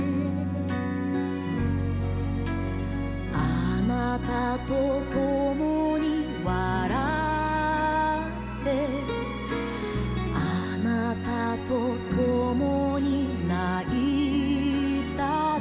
あなたとともに笑ってあなたとともに泣いたね